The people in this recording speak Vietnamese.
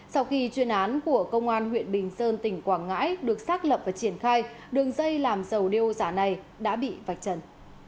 sau khi chuyên án của công an huyện bình sơn tỉnh quảng ngãi được xác lập và triển khai đường dây làm dầu đeo giả này đã bị vạch trần